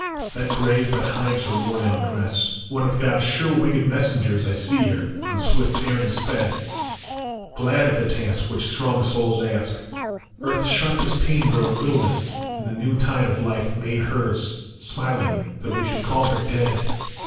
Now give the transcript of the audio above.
That grave but hides her worn out dress, One of God s sure winged messengers I see her, on swift errand sped, I6O NON OMNIS MORIAR. Glad of the task which strong souls ask, Earth s sharpest pain grown littleness In the new tide of life made hers, Smiling that we should call her dead